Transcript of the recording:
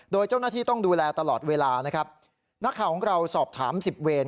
โดยเจ้าหน้าที่ต้องดูแลตลอดเวลานะครับนักข่าวของเราสอบถามสิบเวร